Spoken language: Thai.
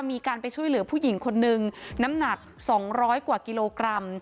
มีการไปช่วยเหลือผู้หญิงคนนึงน้ำหนัก๒๐๐กว่ากิโลกรัม